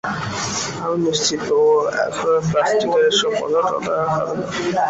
আমি নিশ্চিত ও এখন আর প্লাস্টিকের এইসব পতাকা-টতাকা খাবে না।